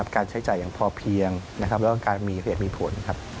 การใช้จ่ายอย่างพอเพียงและการมีเหตุผล